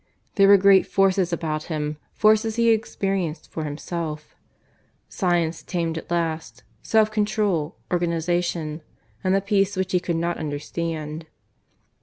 There were great forces about him, forces he had experienced for himself Science tamed at last, self control, organization, and a Peace which he could not understand.